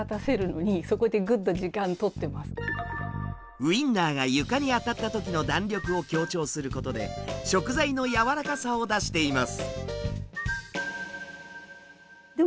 ウインナーが床に当たった時の弾力を強調することで食材の柔らかさを出しています。